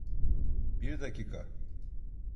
Bir dakika!